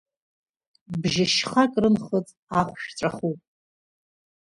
Бжь-шьхак рынхыҵ ахәшә ҵәахуп.